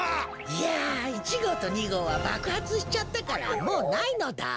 いや１ごうと２ごうはばくはつしちゃったからもうないのだ。